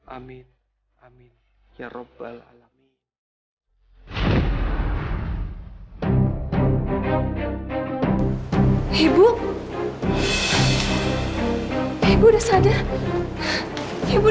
aku akan mencari kesembuhan untuk ibu